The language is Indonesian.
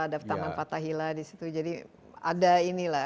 ada taman fathahila di situ jadi ada inilah